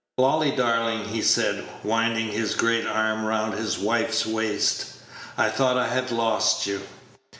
"Lolly, darling," he said, winding his great arm round his wife's waist, "I thought I had lost you."